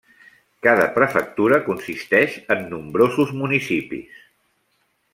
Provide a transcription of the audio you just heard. Cada prefectura consisteix en nombrosos municipis.